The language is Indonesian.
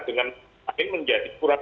dengan lain menjadi kurat baik